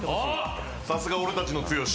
さすが俺たちの剛。